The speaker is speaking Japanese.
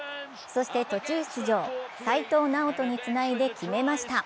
そして途中出場、齋藤直人につないで決めました。